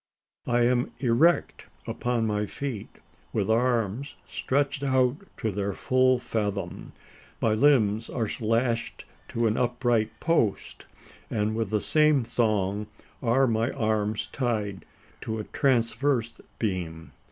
I am erect upon my feet, with arms stretched out to their full fathom. My limbs are lashed to an upright post; and, with the same thong, are my arms tied to a transverse beam.